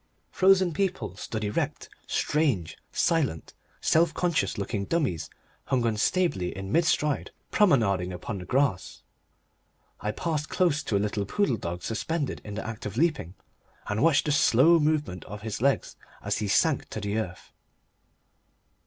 Frozen people stood erect, strange, silent, self conscious looking dummies hung unstably in mid stride, promenading upon the grass. I passed close to a little poodle dog suspended in the act of leaping, and watched the slow movement of his legs as he sank to earth.